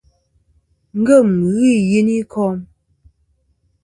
Ngèm ghɨ i yiyn i kom.